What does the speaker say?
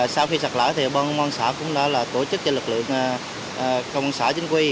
sau khi sạt lở thì công an xã cũng đã tổ chức cho lực lượng công an xã chính quy